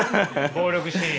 暴力シーン。